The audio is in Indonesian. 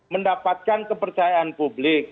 mendapatkan kepercayaan publik